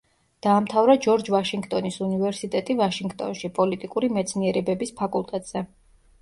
დაამთავრა ჯორჯ ვაშინგტონის უნივერსიტეტი ვაშინგტონში პოლიტიკური მეცნიერებების ფაკულტეტზე.